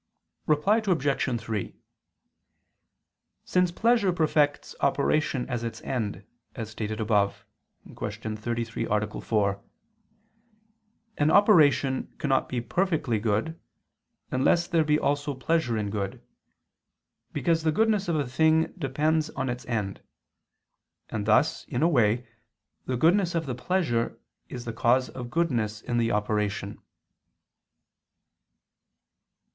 Reply Obj. 3: Since pleasure perfects operation as its end, as stated above (Q. 33, A. 4); an operation cannot be perfectly good, unless there be also pleasure in good: because the goodness of a thing depends on its end. And thus, in a way, the goodness of the pleasure is the cause of goodness in the operation.